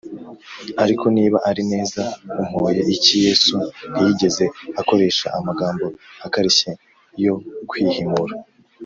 ariko niba ari neza umpoye iki?” yesu ntiyigeze akoresha amagambo akarishye yo kwihimura